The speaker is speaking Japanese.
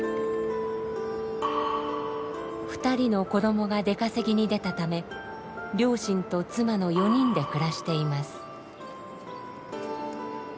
２人の子供が出稼ぎに出たため両親と妻の４人で暮らしています。